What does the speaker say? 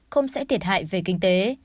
không sẽ thiệt hại về kinh tế